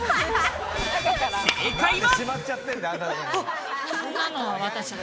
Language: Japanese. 正解は。